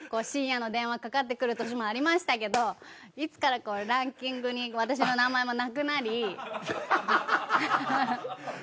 深夜の電話かかってくる年もありましたけどいつからかランキングに私の名前もなくなり。